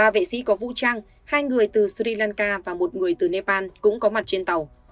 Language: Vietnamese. ba vệ sĩ có vũ trang hai người từ sri lanka và một người từ nepal cũng có mặt trên tàu